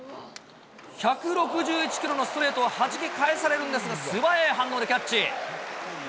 １６１キロのストレートをはじき返されるんですが、素早い反応でキャッチ。